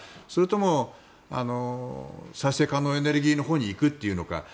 それとも再生可能エネルギーのほうに行くっていうのか